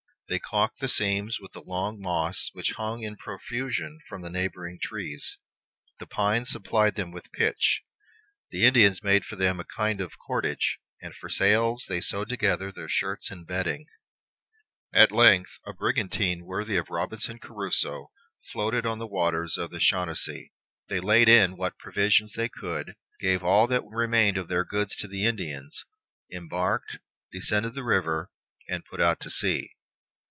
They calked the seams with the long moss which hung in profusion from the neighboring trees; the pines supplied them with pitch; the Indians made for them a kind of cordage; and for sails they sewed together their shirts and bedding. At length a brigantine worthy of Robinson Crusoe floated on the waters of the Chenonceau. They laid in what provision they could, gave all that remained of their goods to the Indians, embarked, descended the river, and put to sea.